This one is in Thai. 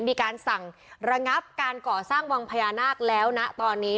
มีการสั่งระงับการก่อสร้างวังพญานาคแล้วนะตอนนี้